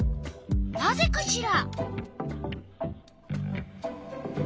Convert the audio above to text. なぜかしら？